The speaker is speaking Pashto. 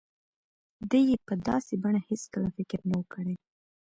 ده يې په داسې بڼه هېڅکله فکر نه و کړی.